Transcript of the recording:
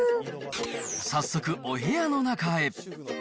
早速、お部屋の中へ。